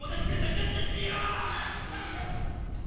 かっちゃん！